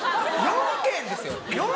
４件ですよ？